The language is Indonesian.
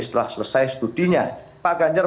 setelah selesai studinya pak ganjar